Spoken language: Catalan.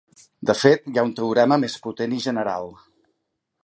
De fet, hi ha un teorema més potent i general.